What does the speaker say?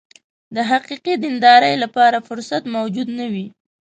د حقیقي دیندارۍ لپاره فرصت موجود نه وي.